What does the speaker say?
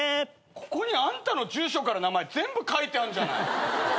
ここにあんたの住所から名前全部書いてあんじゃない。